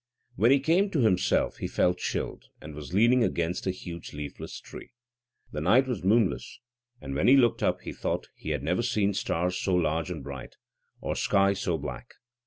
When he came to himself he felt chilled, and was leaning against a huge leafless tree. The night was moonless, and when he looked up he thought he had never seen stars so large and bright, or sky so black.